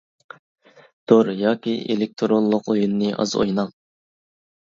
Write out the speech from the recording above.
تور ياكى ئېلېكتىرونلۇق ئويۇننى ئاز ئويناڭ.